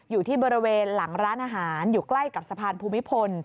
อยู่ที่บริเวณหลังร้านอาหารอยู่ใกล้กับสะพานภูมิพล